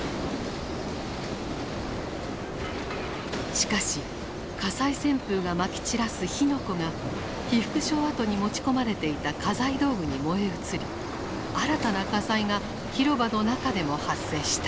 しかし火災旋風がまき散らす火の粉が被服廠跡に持ち込まれていた家財道具に燃え移り新たな火災が広場の中でも発生した。